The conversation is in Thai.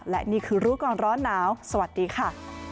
และนี่คือรู้ก่อนร้อนหนาวสวัสดีค่ะ